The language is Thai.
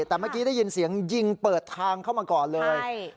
แต่เมื่อกี้ได้ยินเสียงยิงเปิดทางเข้ามาก่อนเลย